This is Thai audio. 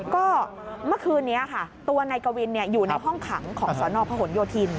ก็เมื่อคืนนี้ค่ะตัวนายกวินอยู่ในห้องขังของสนพหนโยธิน